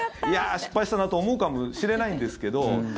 いやあ、失敗したなと思うかもしれないですけど。